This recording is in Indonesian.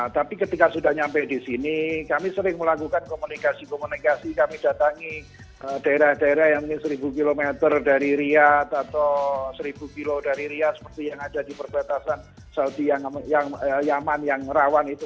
tapi ketika sudah nyampe di sini kami sering melakukan komunikasi komunikasi kami datangi daerah daerah yang ini seribu km dari riyad atau seribu kilo dari ria seperti yang ada di perbatasan saudi yang yaman yang rawan itu